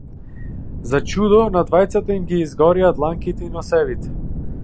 За чудо, на двајцата им ги изгорија дланките и носевите.